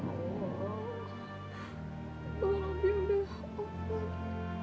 bang robi udah online